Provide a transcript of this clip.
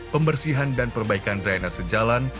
pembersihan dan perbaikan drainase jalan